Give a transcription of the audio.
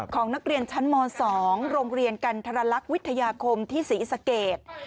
ของนักเรียนชั้นม๒โรงเรียนกันทรลักษณ์วิทยาคมที่ศรีสเกต